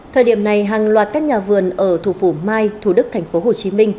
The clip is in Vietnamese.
thời điểm này hàng loạt các nhà vườn ở thủ phủ mai thủ đức tp hcm